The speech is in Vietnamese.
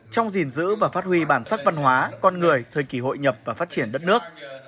trong gìn giữ và phát huy bản sắc văn hóa con người thời kỳ hội nhập và phát triển đất nước